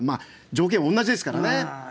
条件は同じですからね。